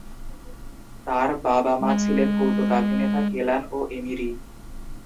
তার বাবা-মা ছিলেন কৌতুকাভিনেতা কেলান ও এমিরি।